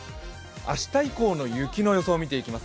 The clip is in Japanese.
明日以降の雪の予想を見ていきます。